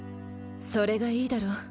それがいいだろう